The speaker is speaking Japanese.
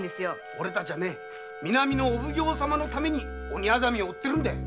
俺たちは南のお奉行様のために鬼薊を追ってるんだ。